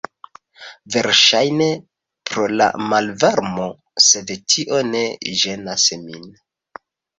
Verŝajne pro la malvarmo, sed tio ne ĝenas min.